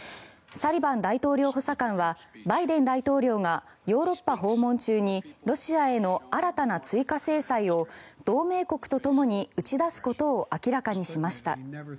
サリバン大統領補佐官はバイデン大統領がヨーロッパ訪問中にロシアへの新たな追加制裁を同盟国とともに打ち出すことを明らかにしました。